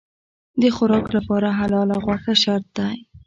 د خوراک لپاره حلاله غوښه شرط دی.